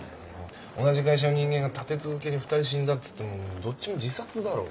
同じ会社の人間が立て続けに２人死んだっつってもどっちも自殺だろ？